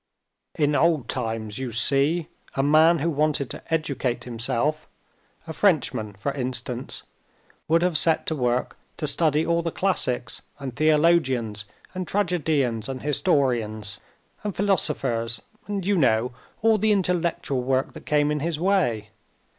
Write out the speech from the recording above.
In old times, you see, a man who wanted to educate himself—a Frenchman, for instance—would have set to work to study all the classics and theologians and tragedians and historians and philosophers, and, you know, all the intellectual work that came in his way.